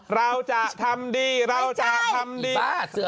เราจะทำดีเราจะทำดีไม่ใช่